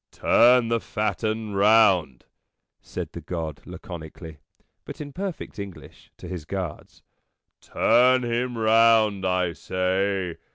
" Turn the fat 'un round," said the God, laconically, but in perfect English, to his guards. " Turn him round, I say.